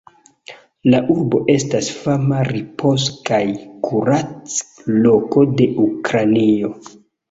La urbo estas fama ripoz- kaj kurac-loko de Ukrainio.